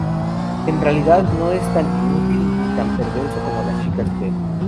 En realidad, no es tan inútil ni tan perverso como las chicas creen.